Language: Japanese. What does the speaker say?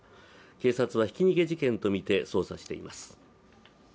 警察はひき逃げ事件とみて捜査しています。